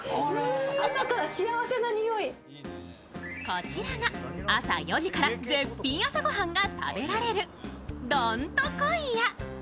こちらが朝４時から絶品朝ご飯が食べられるどんとこい家。